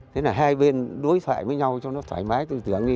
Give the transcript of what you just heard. thế là hai bên đối thoại với nhau cho nó thoải mái tư tưởng đi